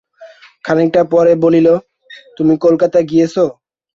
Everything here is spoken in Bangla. খানিকটা পরে বলিল, তুমি কলকাতা গিয়েচ?